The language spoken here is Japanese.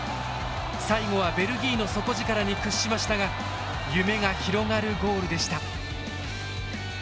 最後はベルギーの底力に屈しましたが夢が広がるゴールでした。